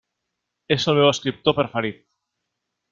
És el meu escriptor preferit.